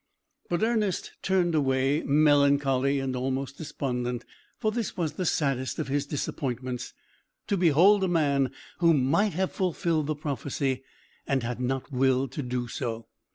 But Ernest turned away, melancholy, and almost despondent: for this was the saddest of his disappointments, to behold a man who might have fulfilled the prophecy, and had not willed to do so.